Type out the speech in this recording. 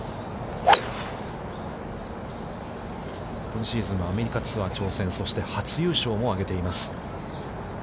今シーズンはアメリカツアー挑戦、そして初優勝も上げています。